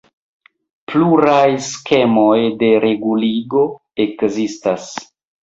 Pluraj skemoj de reguligo ekzistas.